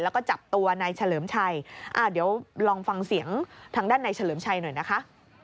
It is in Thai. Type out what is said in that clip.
แล้วก็จับตัวนายเฉลิมชัยอ่าเดี๋ยวลองฟังเสียงทางด้านในเฉลิมชัยหน่อยนะคะ